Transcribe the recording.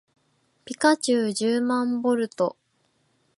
ピカチュウじゅうまんボルト